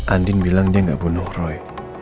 andien bilang dia gak bunuh roy